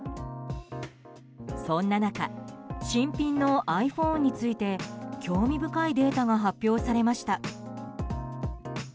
そんな中新品のｉＰｈｏｎｅについて興味深いデータが発表されました。